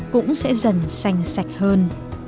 cũng sẽ dần sành sạch hơn